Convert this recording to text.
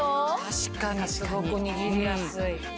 確かにすごく握りやすい。